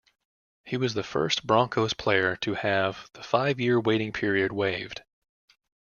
He was the first Broncos player to have the five-year waiting period waived.